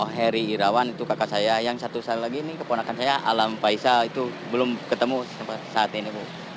heri irawan itu kakak saya yang satu saya lagi ini keponakan saya alam faisal itu belum ketemu saat ini